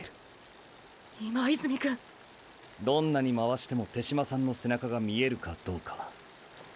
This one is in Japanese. どんなに回しても手嶋さんの背中が見えるかどうか。